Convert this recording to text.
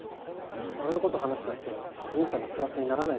俺の事話したって兄さんのプラスにならないでしょ。